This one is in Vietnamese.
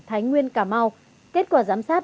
thái nguyên cà mau kết quả giám sát